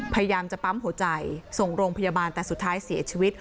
พยายามจะปั๊มหัวใจส่งโรงพยาบาลแต่สุดท้ายเสียชีวิต